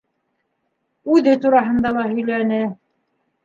Үҙе тураһында ла һөйләне.